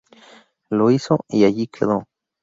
Lo hizo y allí quedó.